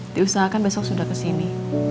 diusahakan besok sudah kesini